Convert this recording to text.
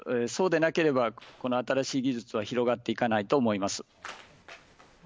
そうでなければこの新しい技術は広がっていかないと思います。